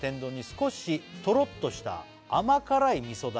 「少しとろっとした甘辛いみそだれ」